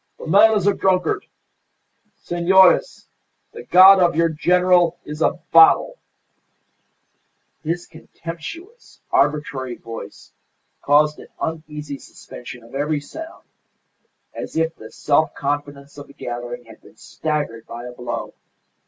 "The man is a drunkard. Senores, the God of your General is a bottle!" His contemptuous, arbitrary voice caused an uneasy suspension of every sound, as if the self confidence of the gathering had been staggered by a blow.